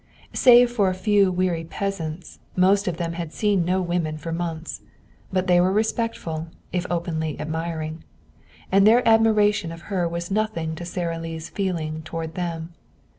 Save for a few weary peasants, most of them had seen no women for months. But they were respectful, if openly admiring. And their admiration of her was nothing to Sara Lee's feeling toward them.